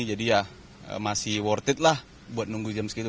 jadi ya masih worth it lah buat nunggu jam segitu